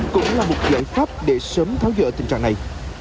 cũng là một lợi pháp để sớm tháo rỡ tình trạng này